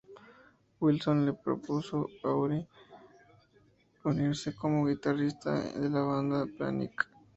Wilson le propuso a Urie unirse como guitarrista de la banda Panic!